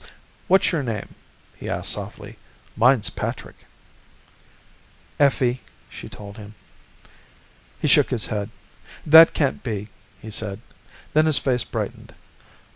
"What's your name?" he asked softly. "Mine's Patrick." "Effie," she told him. He shook his head. "That can't be," he said. Then his face brightened.